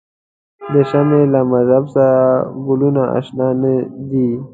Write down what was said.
د شمعې له مذهب سره ګلونه آشنا نه دي.